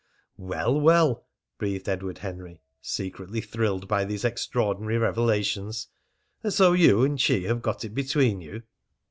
"Well, well!" breathed Edward Henry, secretly thrilled by these extraordinary revelations. "And so you and she have got it between you?"